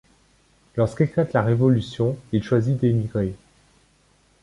Lorsqu'éclate la Révolution, il choisit d'émigrer.